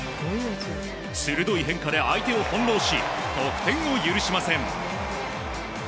鋭い変化で相手を翻弄し得点を許しません。